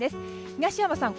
東山さん